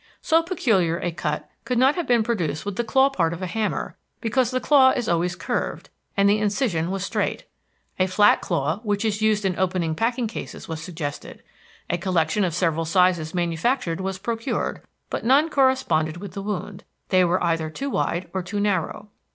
So peculiar a cut could not have been produced with the claw part of a hammer, because the claw is always curved, and the incision was straight. A flat claw, such as is used in opening packing cases, was suggested. A collection of the several sizes manufactured was procured, but none corresponded with the wound; they were either too wide or too narrow.